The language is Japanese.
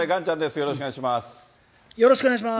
よろしくお願いします。